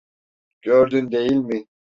Gördün, değil mi?